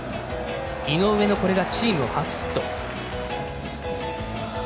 井上のチーム初ヒット。